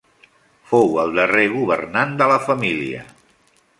Fou el darrer governant de la família.